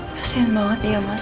nasihan banget ya mas